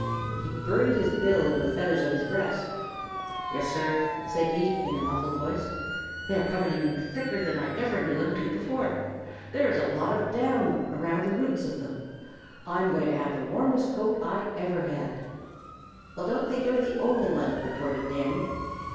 He buried his bill in the feathers of his breast. "Yes, sir," said he in a muffled voice, "they are coming in thicker than I ever knew them to before. There is a lot of down around the roots of them. I am going to have the warmest coat I've ever had." "Well, don't think you are the only one," retorted Danny.